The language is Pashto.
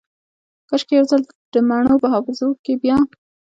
کاشکي یو ځلې دمڼو په حافظو کې بیا